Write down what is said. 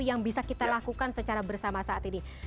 yang bisa kita lakukan secara bersama saat ini